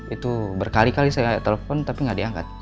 itu berkali kali saya telepon tapi gak diangkat